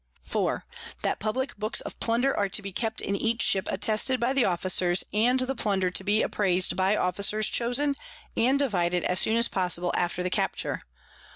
_ 4. _That publick Books of Plunder are to be kept in each Ship attested by the Officers, and the Plunder to be apprais'd by Officers chosen, and divided as soon as possible after the Capture.